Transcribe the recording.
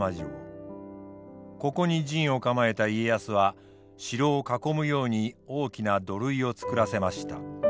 ここに陣を構えた家康は城を囲むように大きな土塁を作らせました。